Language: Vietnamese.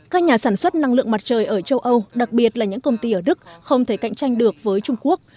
các nhà sản xuất năng lượng mặt trời ở châu âu đặc biệt là những công ty ở đức không thể cạnh tranh được với trung quốc